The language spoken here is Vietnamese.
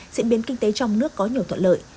diễn biến kinh tế trong nước có nhiều thuận lợi